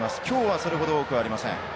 今日はそれほど多くありません。